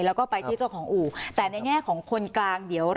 แล้วก็ไปที่เจ้าของอู่แต่ในแง่ของคนกลางเดี๋ยว